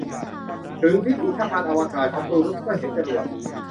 ถึงพิพิธภัณฑ์อวกาศของตูลูสก็เห็นจรวด